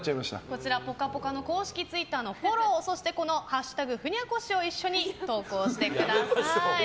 こちら「ぽかぽか」の公式ツイッターのフォローそして「＃ふにゃ腰」を一緒に投稿してください。